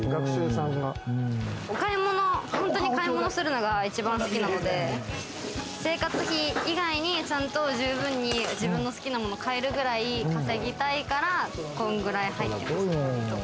お買い物をするのが一番好きなので、生活費以外にちゃんと十分に自分の好きなもの買えるくらい稼ぎたいから、このくらい入ってます。